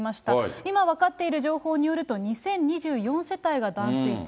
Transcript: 今分かっている情報によると、２０２４世帯が断水中。